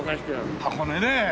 箱根ねえ。